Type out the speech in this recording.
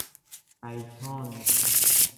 آیتان